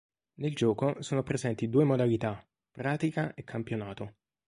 Nel gioco sono presenti due modalità: pratica e campionato.